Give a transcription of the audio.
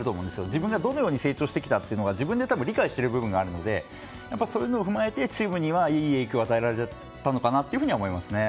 自分がどのように成長してきたというのが自分で多分理解している部分があるのでそういうのを踏まえてチームにいい影響を与えたのかなと思いますね。